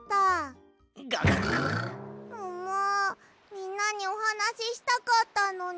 みんなにおはなししたかったのに。